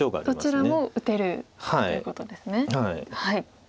どちらも打てるということですね。